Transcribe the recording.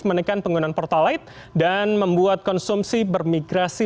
menekan penggunaan pertalite dan membuat konsumsi bermigrasi